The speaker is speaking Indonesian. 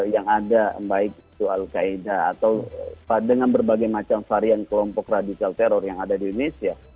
yang ada baik itu al qaeda atau dengan berbagai macam varian kelompok radikal teror yang ada di indonesia